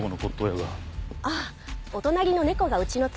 ああお隣の猫がうちの壺